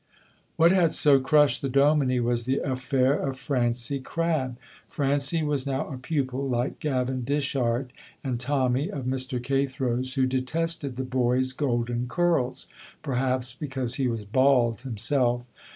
What had so crushed the dominie was the affair of Francie Crabb. Francie was now a pupil, like Gavin Dishart and Tommy, of Mr. Cathro's, who detested the boy's golden curls, perhaps because he was bald himself.